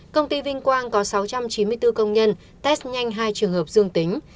công ty vinh quang có sáu trăm chín mươi bốn công nhân test nhanh hai trường hợp dương tính